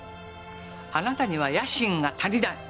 あなたには野心が足りない。